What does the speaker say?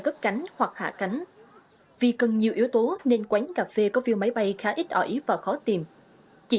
cất cánh hoặc hạ cánh vì cần nhiều yếu tố nên quán cà phê có view máy bay khá ít ỏi và khó tìm chỉ